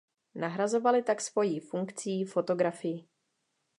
Nahrazovaly tak svojí funkcí fotografii.